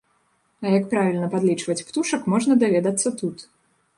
А як правільна падлічваць птушак можна даведацца тут.